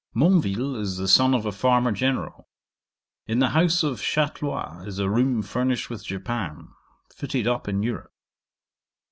'Monville is the son of a farmer general. In the house of Chatlois is a room furnished with japan, fitted up in Europe.